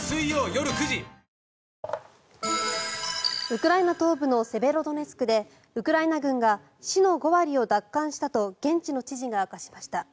ウクライナ東部のセベロドネツクでウクライナ軍が市の５割を奪還したと現地の知事が明かしました。